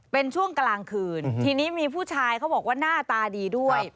เป็นช่วงกลางคืนทีนี้มีผู้ชายเขาบอกว่าหน้าตาดีด้วย